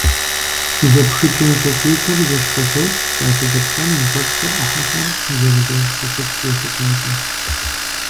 Зэпхыкӏэ щӏыкӏитӏыр зэщхьэщокӏ псалъэ зэпхам и кӏуэцӏкӏэ ӏыхьэхэр зэрызэхущыт елъытакӏэ.